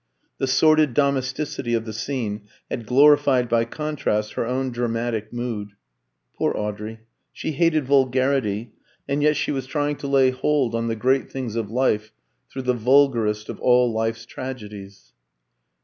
The sordid domesticity of the scene had glorified by contrast her own dramatic mood. Poor Audrey! She hated vulgarity, and yet she was trying to lay hold on "the great things of life" through the vulgarest of all life's tragedies.